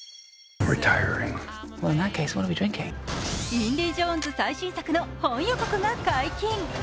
「インディ・ジョーンズ」最新作の本予告が解禁。